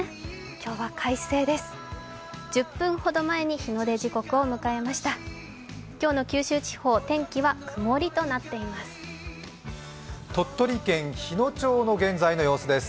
今日は快晴です。